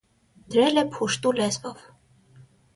Դրել է փուշտու լեզվով։